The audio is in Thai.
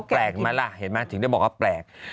แปลกไหมล่ะเห็นไหมถึงได้บอกว่าแปลก